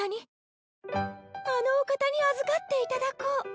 あのお方に預かっていただこう！